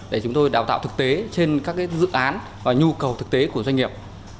để chúng tôi đào tạo thực tế trên các dự án và nhu cầu thực tế của doanh nghiệp